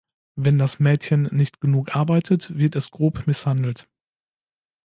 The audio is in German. Wenn das Mädchen nicht genug arbeitet, wird es grob misshandelt.